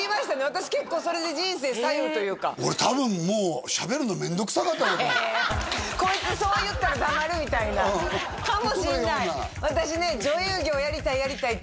私結構それで人生左右というか俺多分もうしゃべるの面倒くさかったんだと思うこいつそう言ったら黙るみたいなうんかもしんない